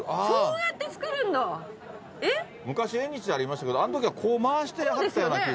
昔縁日でありましたけどあのときは回してはったような気しますよ